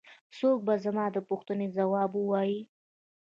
څوک به زما د پوښتنې ځواب ووايي.